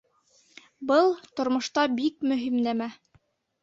Был — тормошта бик мөһим нәмә.